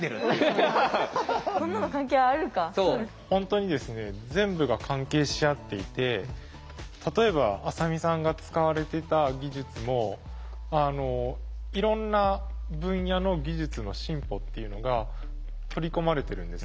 本当にですね全部が関係し合っていて例えば浅見さんが使われてた技術もいろんな分野の技術の進歩っていうのが取り込まれてるんですね。